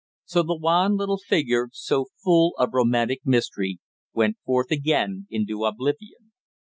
So the wan little figure, so full of romantic mystery, went forth again into oblivion.